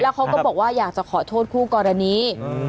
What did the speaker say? แล้วเขาก็บอกว่าอยากจะขอโทษผู้ก่อนอันนี้